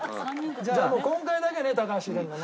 じゃあもう今回だけね高橋入れるのね。